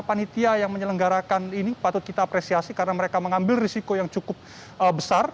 panitia yang menyelenggarakan ini patut kita apresiasi karena mereka mengambil risiko yang cukup besar